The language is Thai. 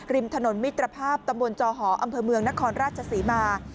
ริมถนนมิตรภาพตำบลจอหออำเภอเมืองนครราชศรีมา